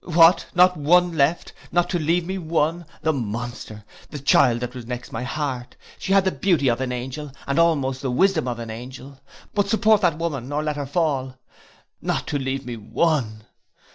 What! not one left! not to leave me one! the monster! the child that was next my heart! she had the beauty of an angel, and almost the wisdom of an angel. But support that woman, nor let her fall. Not to leave me one!